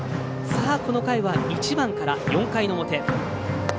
この回は１番から４回の表。